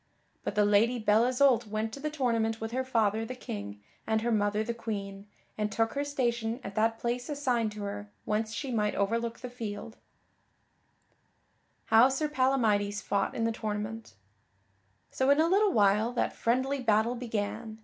But the Lady Belle Isoult went to the tournament with her father, the King, and her mother, the Queen, and took her station at that place assigned to her whence she might overlook the field. [Sidenote: How Sir Palamydes fought in the tournament] So in a little while that friendly battle began.